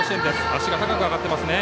足が高く上がっていますね。